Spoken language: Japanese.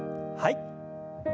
はい。